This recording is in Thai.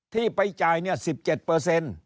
ที่ไปจ่ายเนี่ย๑๗เปอร์เซ็นต์